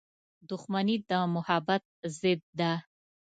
• دښمني د محبت ضد ده.